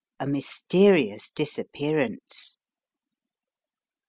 A MYSTERIOUS DISAPPEARANCE.